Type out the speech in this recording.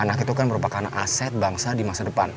anak itu kan merupakan aset bangsa di masa depan